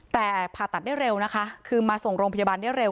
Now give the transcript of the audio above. แต่ผ่าตัดได้เร็วนะคะคือมาส่งโรงพยาบาลได้เร็